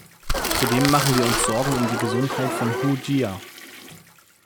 Zudem machen wir uns Sorgen um die Gesundheit von Hu Jia.